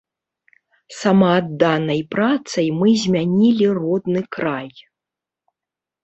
Самаадданай працай мы змянілі родны край.